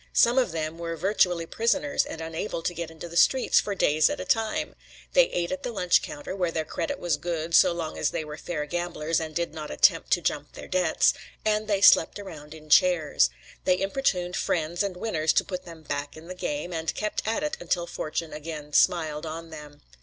Some of them were virtually prisoners and unable to get into the streets for days at a time. They ate at the lunch counter, where their credit was good so long as they were fair gamblers and did not attempt to jump their debts, and they slept around in chairs. They importuned friends and winners to put them back in the game, and kept at it until fortune again smiled on them.